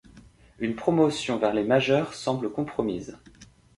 Une promotion vers les majeures semble compromise.